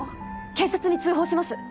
警察に通報します！